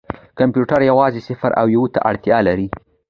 کمپیوټر یوازې صفر او یو ته اړتیا لري.